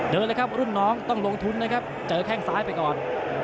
เลยครับรุ่นน้องต้องลงทุนนะครับเจอแข้งซ้ายไปก่อน